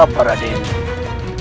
keponakan kuraden surrawisinsa